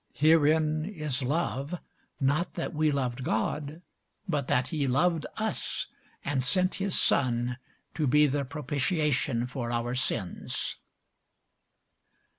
Herein is love, not that we loved God, but that he loved us, and sent his Son to be the propitiation for our sins.